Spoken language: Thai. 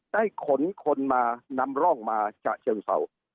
ขนคนมานำร่องมาฉะเชิงเศร้า